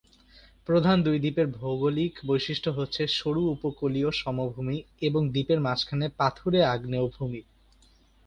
প্রধান দুই দ্বীপের ভৌগোলিক বৈশিষ্ট্য হচ্ছে সরু উপকূলীয় সমভূমি এবং দ্বীপের মাঝখানে পাথুরে আগ্নেয় ভূমি।